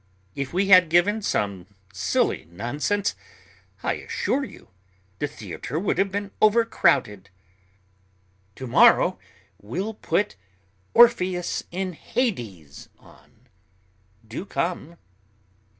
If we had given some silly nonsense, I assure you, the theatre would have been overcrowded. To morrow we'll put Orpheus in Hades on. Do come."